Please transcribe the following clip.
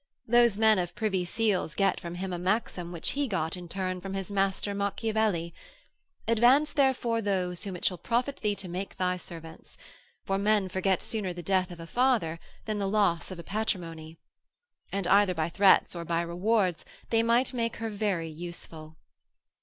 These men of Privy Seal's get from him a maxim which he got in turn from his master Macchiavelli: '_Advance therefore those whom it shall profit thee to make thy servants: for men forget sooner the death of a father than the loss of a patrimony_' and either by threats or by rewards they might make her very useful.